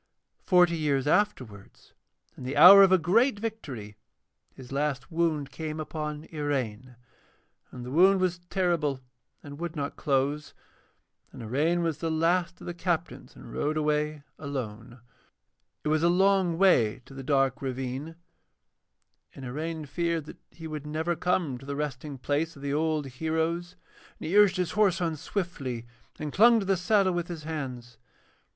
Forty years afterwards, in the hour of a great victory, his last wound came upon Iraine, and the wound was terrible and would not close. And Iraine was the last of the captains, and rode away alone. It was a long way to the dark ravine, and Iraine feared that he would never come to the resting place of the old heroes, and he urged his horse on swiftly, and clung to the saddle with his hands.